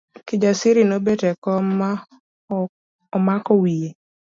Kijasiri nobet e kom ma omako wiye.